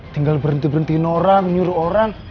tinggal berhenti berhentiin orang menyuruh orang